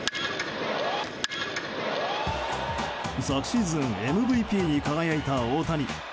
昨シーズンＭＶＰに輝いた大谷。